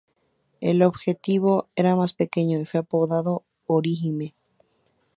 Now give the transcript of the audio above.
El "objetivo" era más pequeño y fue apodado "Orihime".